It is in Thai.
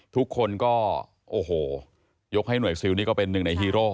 ทุกคนก็โอ้โหยกให้หน่วยซิลนี่ก็เป็นหนึ่งในฮีโร่